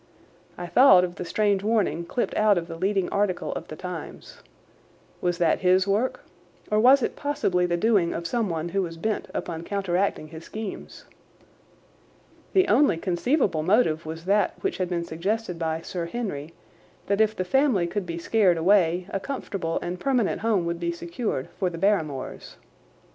I thought of the strange warning clipped out of the leading article of the Times. Was that his work or was it possibly the doing of someone who was bent upon counteracting his schemes? The only conceivable motive was that which had been suggested by Sir Henry, that if the family could be scared away a comfortable and permanent home would be secured for the Barrymores.